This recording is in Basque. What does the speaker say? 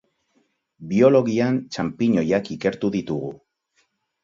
Biologian txanpiñoiak ikertu ditugu.